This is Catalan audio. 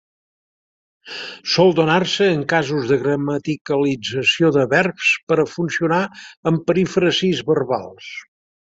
Sol donar-se en casos de gramaticalització de verbs per a funcionar en perífrasis verbals.